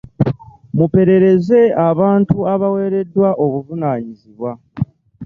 Muperereze abantu abaweereddwa obuvunaanyizibwa.